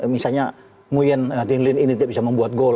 misalnya nguyen dinh lin ini tidak bisa membuat gol